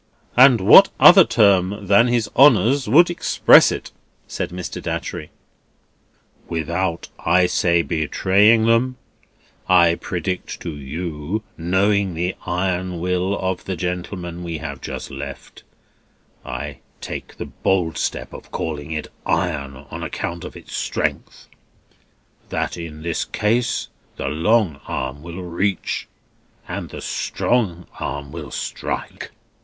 "And what other term than His Honour's would express it?" said Mr. Datchery. "Without, I say, betraying them, I predict to you, knowing the iron will of the gentleman we have just left (I take the bold step of calling it iron, on account of its strength), that in this case the long arm will reach, and the strong arm will strike.